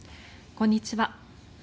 こんにちは。